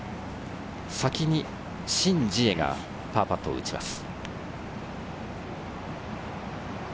先にシン・ジエがパーパットを打ちます。